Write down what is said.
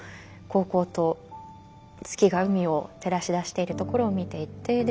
煌々と月が海を照らし出しているところを見ていて。